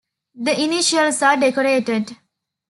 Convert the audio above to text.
The initials are decorated.